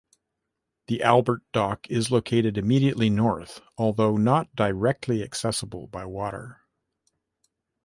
The Albert Dock is located immediately north, although not directly accessible by water.